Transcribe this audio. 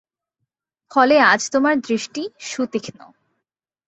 ফলে আজ তোমার দৃষ্টি সুতীক্ষ্ন।